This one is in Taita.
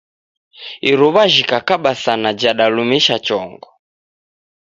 Iruwa jhikakaba sana jadalumisha chongo